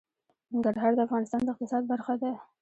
ننګرهار د افغانستان د اقتصاد برخه ده.